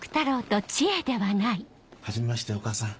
はじめましてお義母さん